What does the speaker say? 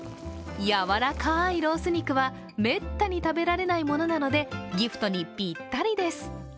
やわらかいロース肉はめったに食べられないものなのでギフトにぴったりです。